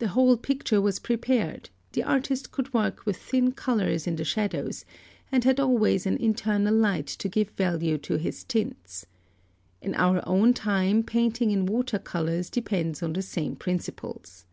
The whole picture was prepared; the artist could work with thin colours in the shadows, and had always an internal light to give value to his tints. In our own time painting in water colours depends on the same principles.